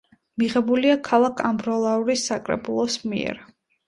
მიღებულია ქალაქ ამბროლაურის საკრებულოს მიერ.